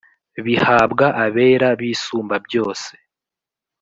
Bihabwa abera b isumbabyose